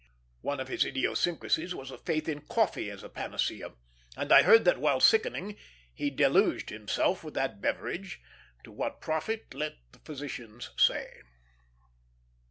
One of his idiosyncrasies was a faith in coffee as a panacea; and I heard that while sickening he deluged himself with that beverage, to what profit let physicians say.